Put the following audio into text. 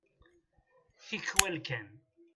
Tikwal kan.